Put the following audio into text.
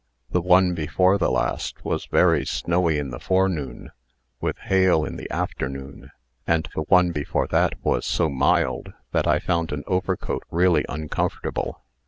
The one before the last was very snowy in the forenoon, with hail in the afternoon; and the one before that was so mild, that I found an overcoat really uncomfortable.